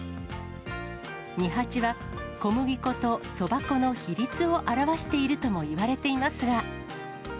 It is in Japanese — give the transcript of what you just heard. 二八は小麦粉とそば粉の比率を表しているともいわれていますが。